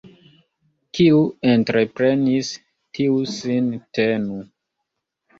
Kiu entreprenis, tiu sin tenu.